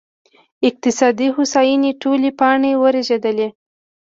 اقتصادي هوساینې ټولې پاڼې ورژېدې